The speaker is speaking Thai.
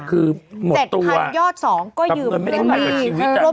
ก็คือหมดตัวแต่เหมือนไม่เข้าไหร่กับชีวิต